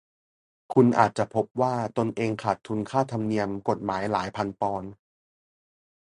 คุณอาจจะพบว่าตนเองขาดทุนค่าธรรมเนียมกฎหมายหลายพันปอนด์